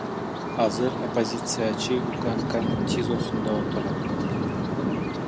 Азыр оппозициячы УКМКнын ТИЗОсунда отурат.